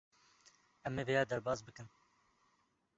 Em ê vêya derbas bikin.